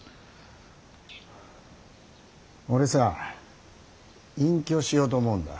俺さ隠居しようと思うんだ。